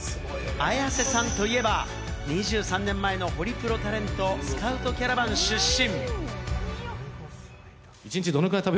綾瀬さんといえば、２３年前のホリプロタレントスカウトキャラバン出身。